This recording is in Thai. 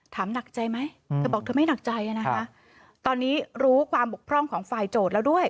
หนักใจไหมเธอบอกเธอไม่หนักใจนะคะตอนนี้รู้ความบกพร่องของฝ่ายโจทย์แล้วด้วย